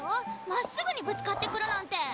まっすぐにぶつかってくるなんて。